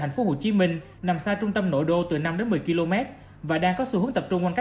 thành phố hồ chí minh nằm xa trung tâm nội đô từ năm một mươi km và đang có xu hướng tập trung quan